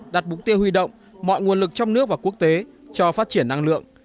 đặt mục tiêu huy động mọi nguồn lực trong nước và quốc tế cho phát triển năng lượng